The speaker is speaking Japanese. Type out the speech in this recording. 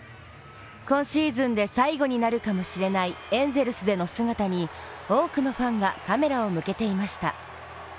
今シーズンで最後になるかもしれないエンゼルスでの姿に多くのファンがカメラを向けていました。